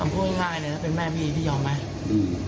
ทำพูดง่ายเลยนะเป็นแม่พี่พี่ยอมไหม